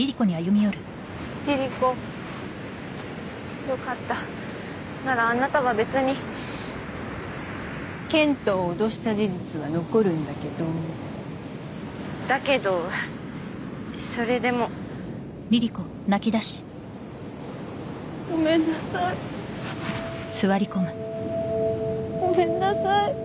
リリ子よかったならあなたは別に健人をおどした事実は残るんだけどだけどそれでもごめんなさいごめんなさい